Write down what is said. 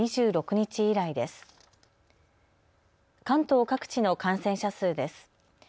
関東各地の感染者数です。